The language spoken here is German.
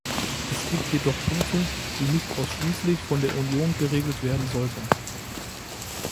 Es gibt jedoch Punkte, die nicht ausschließlich von der Union geregelt werden sollten.